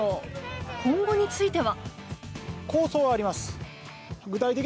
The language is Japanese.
今後については。